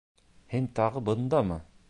Һин тағы бындамы?